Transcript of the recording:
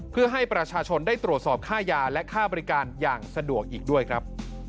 เพื่อให้ประชาชนได้ตรวจสอบค่ายาและค่าบริการอย่างสะดวกอีกด้วยครับ